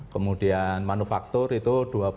kemudian manufaktur itu dua puluh enam